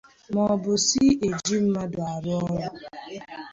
maọbụ si eji mmadụ arụ ọrụ.